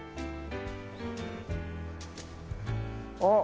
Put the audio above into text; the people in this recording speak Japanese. あっ！